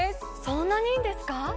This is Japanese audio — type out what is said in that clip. そんなにいいんですか？